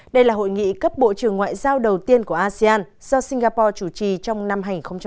đây là hội nghị cấp bộ trưởng ngoại giao đầu tiên của asean do singapore chủ trì trong năm hai nghìn hai mươi